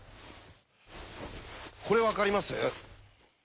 これ分かります？